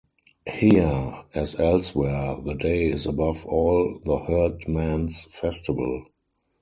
Here, as elsewhere, the day is above all the herdsman's festival.